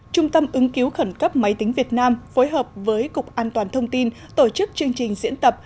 trung tâm ứng cứu khẩn cấp máy tính việt nam phối hợp với cục an toàn thông tin tổ chức chương trình diễn tập